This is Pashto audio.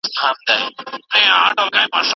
دا رومان د هغه د شخصیت څرګندونه کوي.